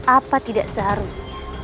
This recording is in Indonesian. apa tidak seharusnya